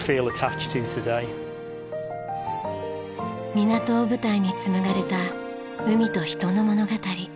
港を舞台に紡がれた海と人の物語。